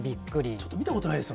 ちょっと見たことないですよ